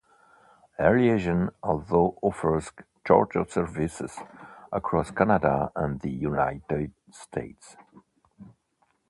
Air Liaison also offers charter services across Canada and the United States.